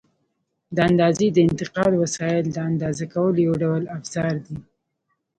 د اندازې د انتقال وسایل د اندازه کولو یو ډول افزار دي.